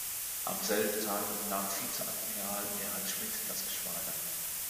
Am selben Tag übernahm Vizeadmiral Erhard Schmidt das Geschwader.